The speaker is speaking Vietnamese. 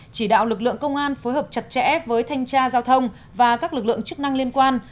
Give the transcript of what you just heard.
chỉ đạo lực lượng công an phối hợp chặt chẽ với thanh tra giao thông và các lực lượng chức năng liên quan